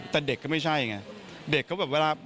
แต่เด็กก็ไม่ใช่อย่างนี้เด็กเขาแบบเวลา